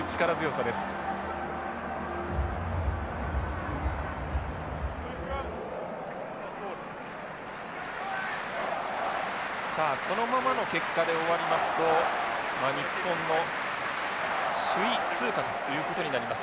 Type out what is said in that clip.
さあこのままの結果で終わりますと日本の首位通過ということになります。